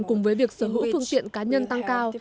cùng với việc sở hữu phương tiện cá nhân tăng cao